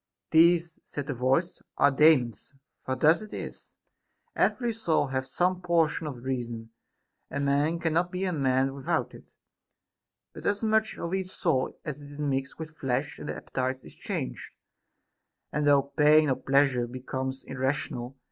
These, said the voice, are Daemons ; for thus it is. Every soul hath some portion of reason ; a man cannot be a man without it ; but as much of each soul as is mixed with flesh and appetite is changed, and through pain or pleasure becomes irrational.